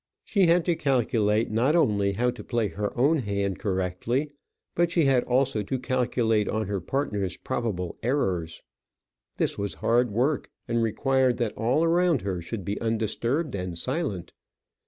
She had to calculate not only how to play her own hand correctly, but she had also to calculate on her partner's probable errors. This was hard work, and required that all around her should be undisturbed and silent.